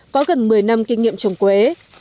có gần một mươi năm kinh nghiệm trồng quế